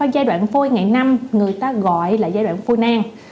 giai đoạn phôi ngày năm người ta gọi là giai đoạn phôi nang